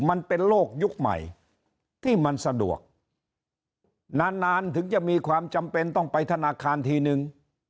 มันเป็นโลกยุคใหม่ที่มันสะดวกนานนานถึงจะมีความจำเป็นต้องไปธนาคารทีนึง